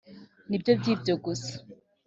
ni byo byi byo gusa.